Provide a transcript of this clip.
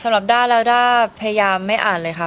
ด้าแล้วด้าพยายามไม่อ่านเลยค่ะ